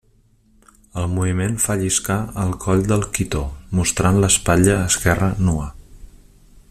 El moviment fa lliscar el coll del quitó, mostrant l'espatlla esquerra nua.